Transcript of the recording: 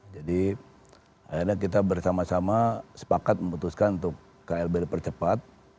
jadi akhirnya kita bersama sama sepakat memutuskan untuk klb dipercepat